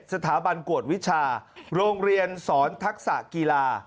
สถาบันกวดวิชาโรงเรียนสอนทักษะกีฬา